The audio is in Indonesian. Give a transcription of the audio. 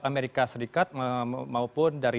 amerika serikat maupun dari